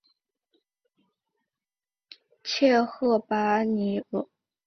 切赫巴尼奥。